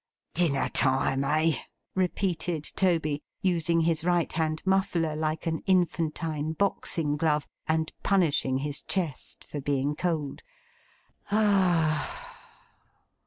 'Dinner time, eh!' repeated Toby, using his right hand muffler like an infantine boxing glove, and punishing his chest for being cold. 'Ah h h h!